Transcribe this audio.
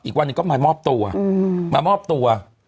อีกวันนี้ก็มามอบตัว